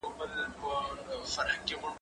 زه هره ورځ سړو ته خواړه ورکوم!!